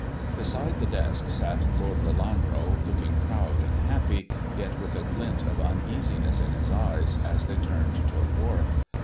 Beside the desk sat Lord Lelanro, looking proud and happy, yet with a glint of uneasiness in his eyes as they turned toward Warwick.